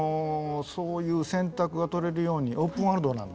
そういう選択が取れるようにオープンワールドなんで。